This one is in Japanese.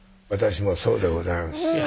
私もそうでございます